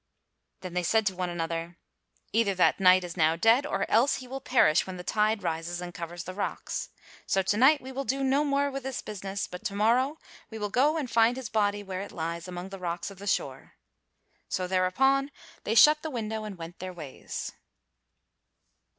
Then they said to one another: "Either that knight is now dead, or else he will perish when the tide rises and covers the rocks; so to night we will do no more with this business; but to morrow we will go and find his body where it lies among the rocks of the shore." So thereupon they shut the window and went their ways.